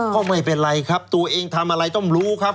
ก็ไม่เป็นไรครับตัวเองทำอะไรต้องรู้ครับ